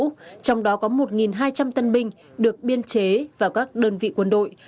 trong đó có một hai trăm linh tân binh được biên chế vào các đơn vị quân đội